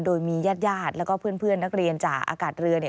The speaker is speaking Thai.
โดยมีญาติญาติและเพื่อนนักเรียนจ่าอากาศเรือ